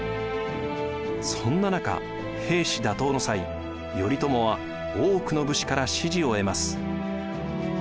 そんな中平氏打倒の際頼朝は多くの武士から支持を得ます。